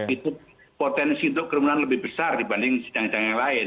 itu potensi untuk kerumunan lebih besar dibanding sidang sidang yang lain